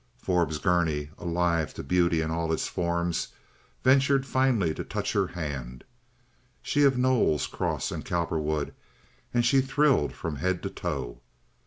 Forbes Gurney, alive to beauty in all its forms, ventured finally to touch her hand—she of Knowles, Cross, and Cowperwood—and she thrilled from head to toe.